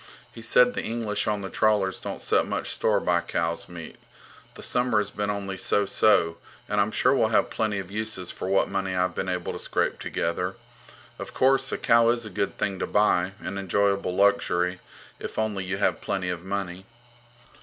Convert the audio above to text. He said the English on the trawlers don't set much store by cow's meat. The summer has been only so so, and I'm sure we'll have plenty of uses for what money I've been able to scrape together. Of course, a cow is a good thing to buy, an enjoyable luxury, if only you have plenty of money.